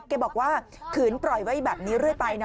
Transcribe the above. แกบอกว่าขืนปล่อยไว้แบบนี้เรื่อยไปนะ